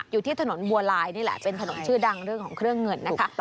อยู่ที่ถนนบัวลายนี่แหละเป็นถนนชื่อดังเรื่องของเครื่องเงินนะคะ